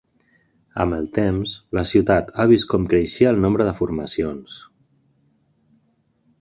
Amb el temps, la ciutat ha vist com creixia el nombre de formacions.